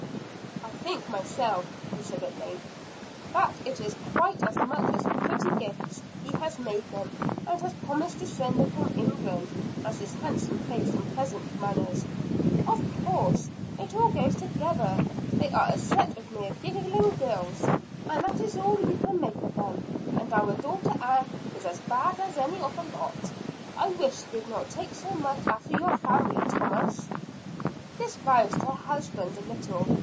"I think myself," he said at length, "that it is quite as much the pretty gifts he has made them, and has promised to send them from England, as his handsome face and pleasant manners." "Oh, of course, it all goes together. They are a set of mere giggling girls; and that is all you can make of them. And our daughter Ann is as bad as any of the lot. I wish she did not take so much after your family, Thomas." This roused her husband a little.